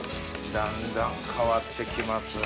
だんだん変わってきますね。